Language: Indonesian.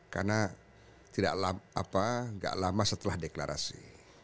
karena tidak lama setelah deklarasi